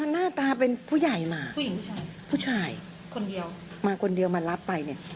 หน้าตาเป็นผู้ใหญ่มาผู้หญิงผู้ชายผู้ชายคนเดียวมาคนเดียวมารับไปเนี่ย